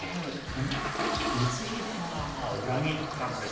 その光秀がまあ裏切ったんですから。